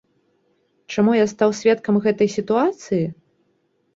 Чаму я стаў сведкам гэтай сітуацыі?